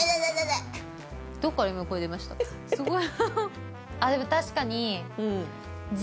すごい。